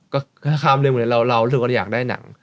ก็ข้ามเรื่องอย่างนี้เราถึงก็ต้องอยากได้หนัง